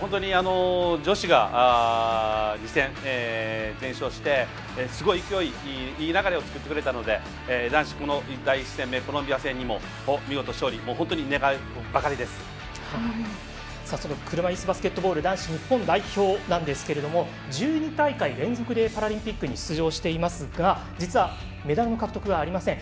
女子が２戦全勝してすごい勢いいい流れを作ってくれたので男子、第１戦目コロンビア戦での勝利を車いすバスケットボール男子日本代表なんですけれども１２大会連続でパラリンピックに出場していますが実は、メダルの獲得がありません。